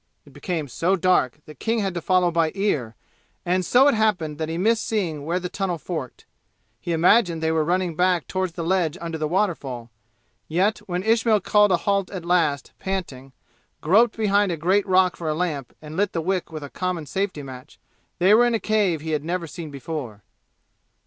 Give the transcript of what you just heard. It became so dark that King had to follow by ear, and so it happened that he missed seeing where the tunnel forked. He imagined they were running back toward the ledge under the waterfall; yet, when Ismail called a halt at last, panting, groped behind a great rock for a lamp and lit the wick with a common safety match, they were in a cave he had never seen before.